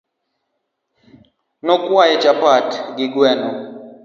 Nokwaye chapat gi gweno.